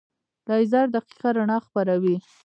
لیزر دقیقه رڼا خپروي.